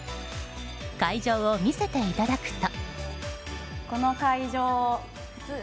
会場を見せていただくと。